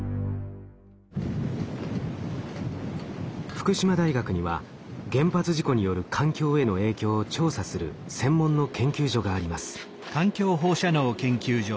福島大学には原発事故による環境への影響を調査する専門の研究所があります。